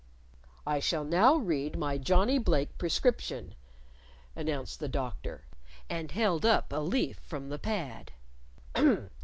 "I shall now read my Johnnie Blake prescription," announced the Doctor, and held up a leaf from the pad.